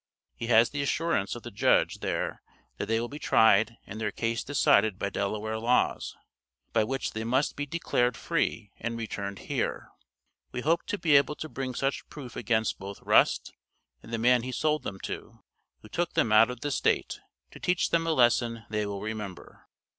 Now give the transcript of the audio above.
He has the assurance of the Judge there that they will be tried and their case decided by Delaware Laws, by which they must be declared free and returned here. We hope to be able to bring such proof against both Rust and the man he sold them to, who took them out of the State, to teach them a lesson they will remember.